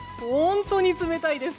本当に冷たいです。